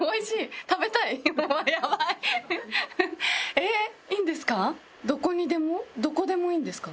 えっいいんですか？